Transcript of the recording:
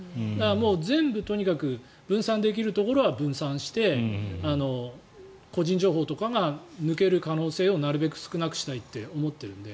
全部、分散できるところは分散して個人情報とかが抜ける可能性をなるべく少なくしたいと思っているので。